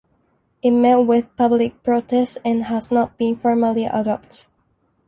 It met with public protest and has not been formally adopted.